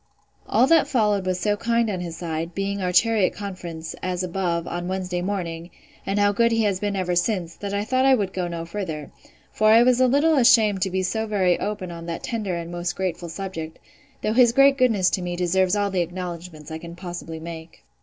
All that followed was so kind on his side, being our chariot conference, as above, on Wednesday morning, and how good he has been ever since, that I thought I would go no further; for I was a little ashamed to be so very open on that tender and most grateful subject; though his great goodness to me deserves all the acknowledgments I can possibly make.